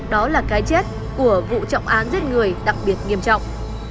đó là cái chết của vụ trọng án giết người đặc biệt nghiêm trọng